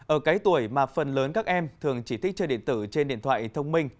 ở cái tuổi mà phần lớn các em thường chỉ thích chơi điện tử trên điện thoại thông minh